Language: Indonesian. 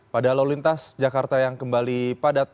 pada lalu lintas jakarta yang kembali padat